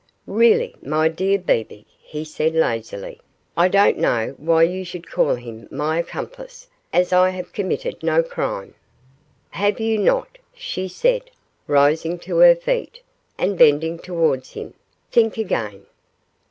'Really, my dear Bebe,' he said, lazily, 'I don't know why you should call him my accomplice, as I have committed no crime.' 'Have you not?' she said, rising to her feet, and bending towards him, 'think again.